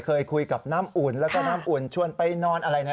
เคยคุยกับน้ำอุ่นแล้วก็น้ำอุ่นชวนไปนอนอะไรนะ